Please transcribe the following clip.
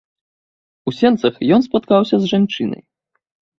У сенцах ён спаткаўся з жанчынай.